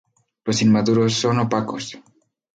Los inmaduros son opacos.